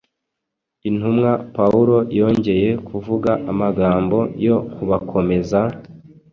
Intumwa Pawulo yongeye kuvuga amagambo yo kubakomeza,